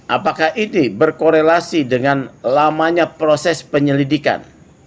apakah ini berkorelasi dengan lamanya proses penyelidikan